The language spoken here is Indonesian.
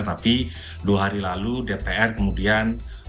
tapi dua hari lalu dpr kemudian